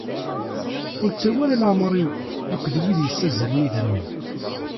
Ur ttawi ara leεmer-iw akked wid yessazzalen idammen.